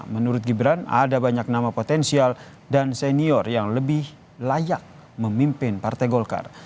menurut gibran ada banyak nama potensial dan senior yang lebih layak memimpin partai golkar